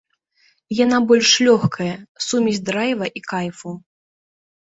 Яна больш лёгкая, сумесь драйва і кайфу.